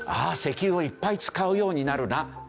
あ石油をいっぱい使うようになるな。